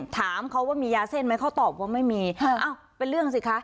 ถามเขาว่ามียาเส้นไหมเขาตอบว่าไม่มีเอ้าเป็นเรื่องสิคะ